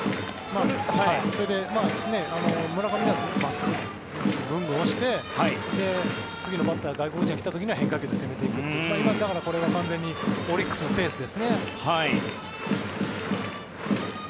それで、村上には真っすぐ、グングン押して次のバッター外国人が来た時には変化球で攻めていくというだから、これが完全にオリックスのペースですね。